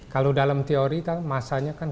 kalau dalam teori masanya kan